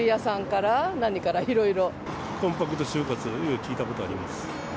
コンパクト終活、聞いたことあります。